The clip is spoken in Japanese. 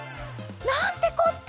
なんてこった！